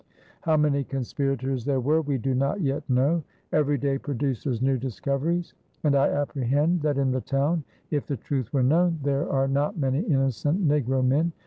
How many Conspirators there were we do not yet know; every day produces new discoveries, and I apprehend that in the town, if the truth were known, there are not many innocent Negro men....